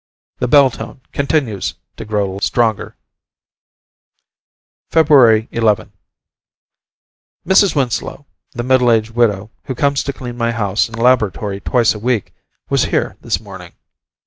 The bell tone continues to grow stronger. Feb. 11 Mrs. Winslow, the middle aged widow, who comes to clean my house and laboratory twice a week, was here this morning.